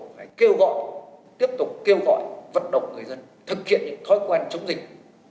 phải kêu gọi tiếp tục kêu gọi vận động người dân thực hiện những thói quen chống dịch